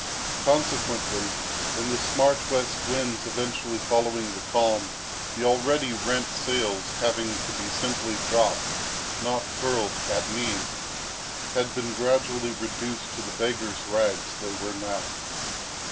Consequently, in the smart west winds eventually following the calm, the already rent sails, having to be simply dropped, not furled, at need, had been gradually reduced to the beggars' rags they were now.